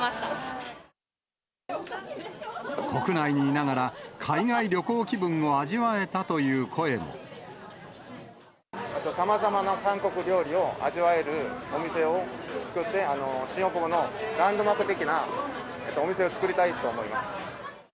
国内にいながら、海外旅行気さまざまな韓国料理を味わえるお店を作って、新大久保のランドマーク的なお店を作りたいと思います。